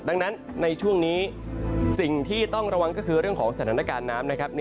ดังนั้นในช่วงนี้สิ่งที่ต้องระวังก็คือเรื่องของสถานการณ์น้ำนะครับ